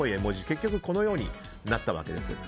結局、このようになったわけです。